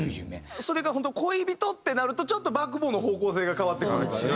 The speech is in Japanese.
それが本当恋人ってなるとちょっとバックボーンの方向性が変わってくるからね。